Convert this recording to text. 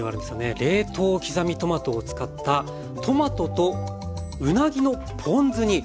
冷凍刻みトマトを使ったトマトとうなぎのポン酢煮。